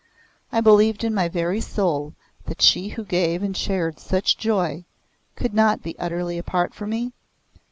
I believed in my very soul that she who gave and shared such joy could not be utterly apart from me?